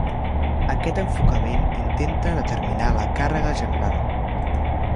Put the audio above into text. Aquest enfocament intenta determinar la càrrega general.